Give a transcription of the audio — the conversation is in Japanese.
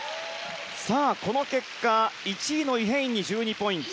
この結果、１位のイ・ヘインに１２ポイント。